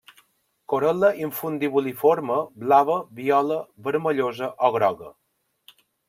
Corol·la infundibuliforme blava, viola, vermellosa o groga.